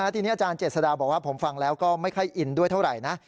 ทีนี้อาจารย์เจษฎาบอกว่าผมฟังแล้วก็ไม่ค่อยอินด้วยเท่าไหร่นะ